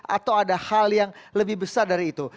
atau ada hal yang lebih besar dari itu